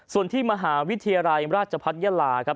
ส่วนที่มหาวิทยาลัยราชพัฒนยาลาครับ